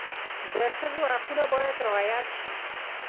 د ښځو حقونه باید رعایت شي.